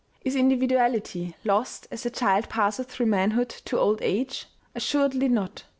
Is individuality lost as the child passes through manhood to old age ? Assuredly not.